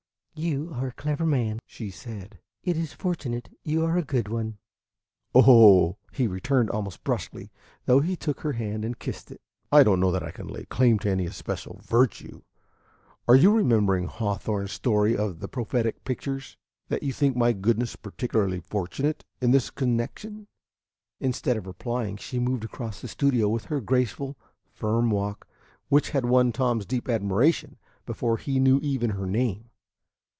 "You are a clever man," she said. "It is fortunate you are a good one." "Oh," he returned, almost brusquely, though he took her hand and kissed it, "I don't know that I can lay claim to any especial virtue. Are you remembering Hawthorne's story of 'The Prophetic Pictures,' that you think my goodness particularly fortunate in this connection?" Instead of replying, she moved across the studio with her graceful, firm walk, which had won Tom's deep admiration before he knew even her name.